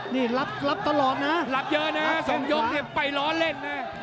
นี่รับตลอดนะรับเยอะนะ๒ยกเนี่ยไปล้อเล่นนะ